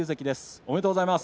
おめでとうございます。